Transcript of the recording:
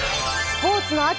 「スポーツの秋！